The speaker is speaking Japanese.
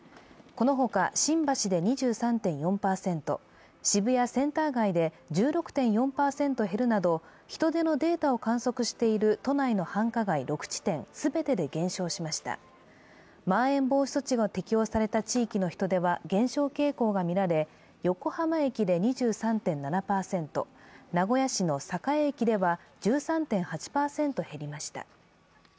このほか新橋で２３．４％、渋谷センター街で１６．４％減るなど人出のデータを観測している都内の繁華街６地点全てで減少しましたまん延防止措置が適用された地域の人出は減少傾向が見られ、横浜駅で２３．７％名古屋市の栄駅では１３．８％減りました。